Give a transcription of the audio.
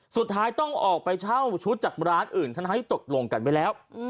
สุดท้ายต้องออกไปเช่าชุดจากร้านอื่นทั้งที่ตกลงกันไว้แล้ว